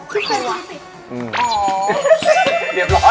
คิดว่า